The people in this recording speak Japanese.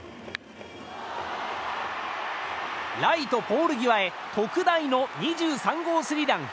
ライトポール際へ特大の２３号ツーラン。